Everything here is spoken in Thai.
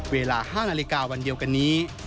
เวลา๕นาฬิกาวันเดียวกันนี้